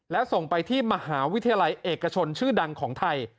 และส่งไปที่มหาวิทยาลัยเอกชนชื่อดังของไทย